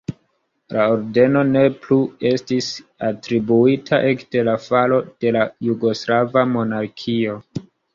La ordeno ne plu estis atribuita ekde la falo de la jugoslava monarkio.